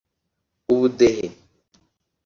ubudehe